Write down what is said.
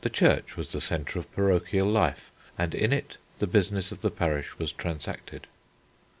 The church was the centre of parochial life and in it the business of the parish was transacted.